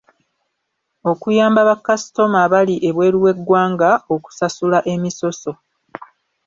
Okuyamba bakasitoma abali ebweru w’eggwanga okusasula emisoso.